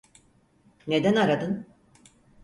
Neden aradın?